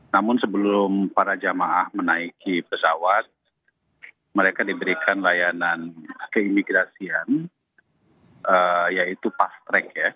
namun sebelum para jamaah menaiki pesawat mereka diberikan layanan keimigrasian yaitu pas track ya